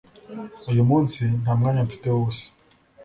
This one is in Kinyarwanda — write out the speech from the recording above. Uyu munsi, nta mwanya mfite w'ubusa